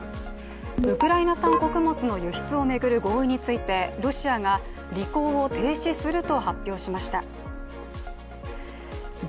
ウクライナ産穀物の輸出を巡る合意についてロシアが履行を停止すると発表しました。